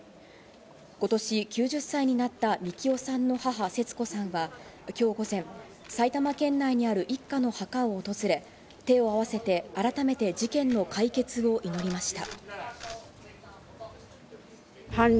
今年９０歳になった、みきおさんの母・節子さんは今日午前、埼玉県内にある一家の墓を訪れ、手を合わせて改めて事件の解決を祈りました。